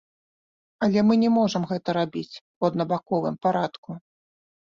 Але мы не можам гэта рабіць у аднабаковым парадку.